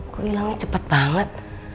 kok hilangnya cepet banget